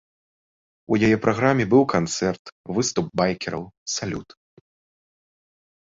У яе праграме быў канцэрт, выступ байкераў, салют.